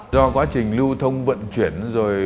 do quá trình lưu thông vận chuyển rồi